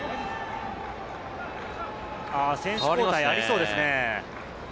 選手交代がありそうですね。